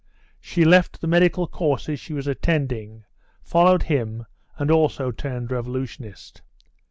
She left the medical courses she was attending, followed him, and also turned revolutionist.